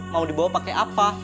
mau dibawa pakai apa